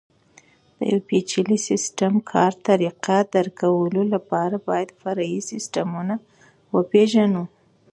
د یوه پېچلي سیسټم کار طریقه درک کولو لپاره باید فرعي سیسټمونه وپېژنو.